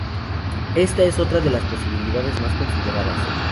Esta es otra de las posibilidades más consideradas.